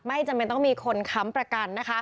ไม่จำเป็นต้องมีคนค้ำประกัน